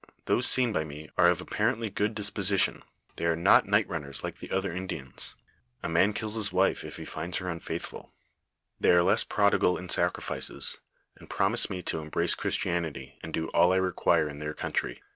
Those seen by me are of apparently good disposi tion ; they are not night runners like the other Indians. A man kills his wife, if he finds her unfaithful ; they are less LIFE OF FATUEB MASQUETTK. l7 prodigal in sacrifices, and promise me to embrace Christi anity, and do all I require in their country.